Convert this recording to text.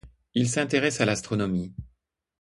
Il s'intéresse à l'astronomie.